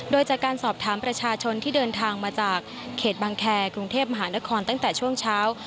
โดยจากการสอบถามประชาชนที่เดินทางมาจากเขตบังแคร์กรุงเทพมหานครตั้งแต่ช่วงเช้า